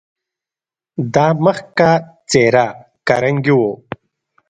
دا مخکښه څېره کارنګي و.